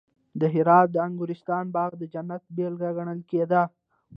د هرات د انګورستان باغ د جنت بېلګه ګڼل کېده